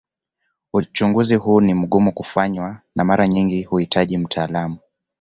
Uchunguzi huu ni mgumu kufanywa na mara nyingi huhitaji mtaalamu.